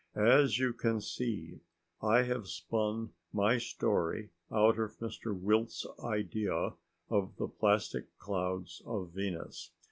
As you can see, I have spun my story out of Mr. Wildt's idea of the plastic clouds of Venus.